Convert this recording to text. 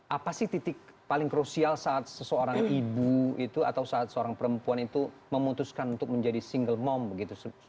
apa sih titik paling krusial saat seseorang ibu itu atau saat seorang perempuan itu memutuskan untuk menjadi single mom begitu